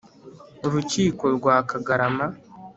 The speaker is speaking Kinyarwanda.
Urukiko rwa Kagarama